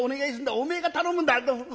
おめえが頼むんだ」。